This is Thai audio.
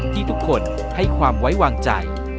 ที่ทุกคนให้ความไว้วางใจ